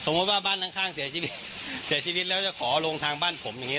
ว่าบ้านข้างเสียชีวิตเสียชีวิตแล้วจะขอลงทางบ้านผมอย่างนี้